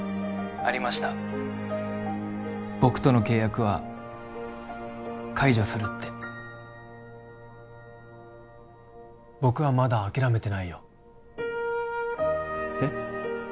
☎ありました僕との契約は解除するって僕はまだ諦めてないよえっ？